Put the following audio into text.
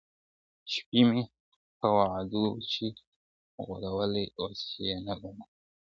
شپې مي په وعدو چي غولولې اوس یې نه لرم `